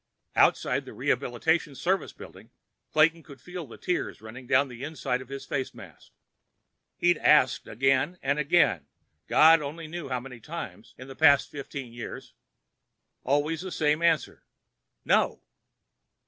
Outside the Rehabilitation Service Building, Clayton could feel the tears running down the inside of his face mask. He'd asked again and again—God only knew how many times—in the past fifteen years. Always the same answer. No.